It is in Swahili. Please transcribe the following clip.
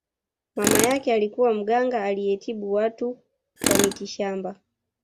mama yake alikuwa mganga aliyetibu watu kwa mitishamba